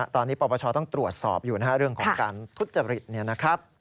ตอนนี้ปราบประชาติต้องตรวจสอบอยู่หน้าเรื่องของการทุศจบริตนี่นะครับ